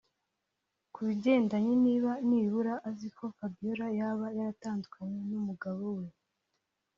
Ku bigendanye niba nibura aziko Fabiola yaba yaratandukanye n’umugabo we